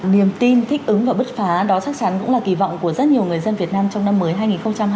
niềm tin thích ứng và bứt phá đó chắc chắn cũng là kỳ vọng của rất nhiều người dân việt nam trong năm mới hai nghìn hai mươi bốn